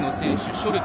ショルツ